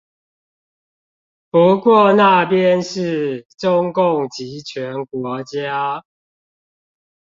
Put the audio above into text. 不過那邊是中共極權國家